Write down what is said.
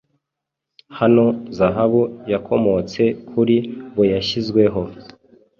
Hano zahabu yakomotse kuri boyashyizweho